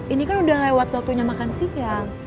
ini kan udah lewat waktunya makan siang